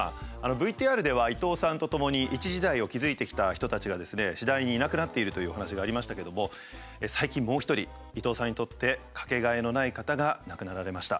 ＶＴＲでは伊東さんと共に一時代を築いてきた人たちがですね次第にいなくなっているというお話がありましたけども最近もう一人伊東さんにとってかけがえのない方が亡くなられました。